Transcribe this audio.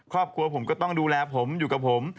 ครอบครัวผมก็ต้องดูแลผมอยู่กับผม